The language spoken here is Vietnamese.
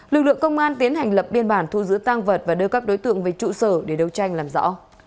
lực lượng công an tiến hành lập biên bản thu giữ tăng vật và đưa các đối tượng về trụ sở để đấu tranh làm rõ